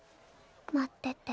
待ってて。